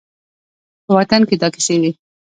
په وطن کې دا کیسې دي